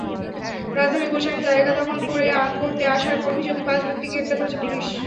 রাজধানীর গুলশানে জায়গা দখল করতে আসার অভিযোগে পাঁচ ব্যক্তিকে গ্রেপ্তার করেছে পুলিশ।